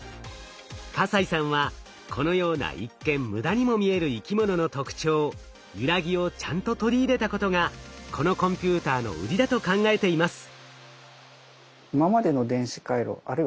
西さんはこのような一見無駄にも見える生き物の特徴ゆらぎをちゃんと取り入れたことがこのコンピューターの売りだと考えています。